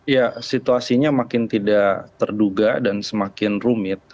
ya situasinya makin tidak terduga dan semakin rumit